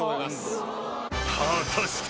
［果たして］